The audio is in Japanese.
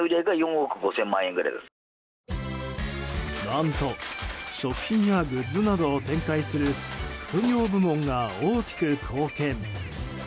何と食品やグッズなどを展開する副業部門が大きく貢献。